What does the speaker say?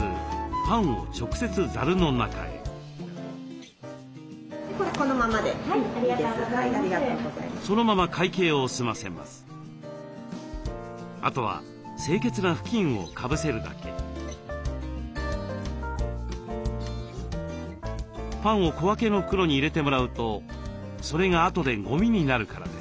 パンを小分けの袋に入れてもらうとそれがあとでゴミになるからです。